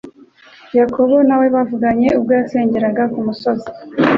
Yakobo nawe bavuganye ubwo yasengeraga ku musozi w'i Beteli;